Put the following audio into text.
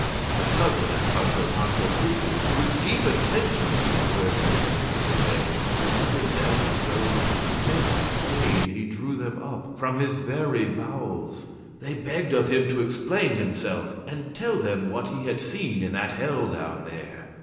The cousin and Sancho Panza listened with deep attention to the words of Don Quixote, who uttered them as though with immense pain he drew them up from his very bowels. They begged of him to explain himself, and tell them what he had seen in that hell down there.